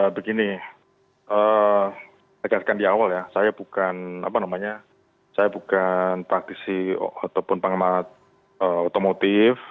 begini saya katakan di awal ya saya bukan praktisi ataupun pengamat otomotif